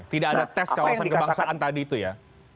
tidak ada tes kawasan kebangsaan tadi itu ya